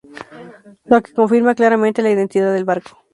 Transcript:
Lo que confirma claramente la identidad del barco.